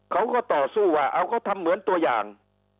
เขาก็ต่อสู้ว่าเอาเขาทำเหมือนตัวอย่าง